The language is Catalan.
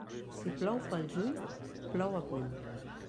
Si plou pel juny, plou a punt.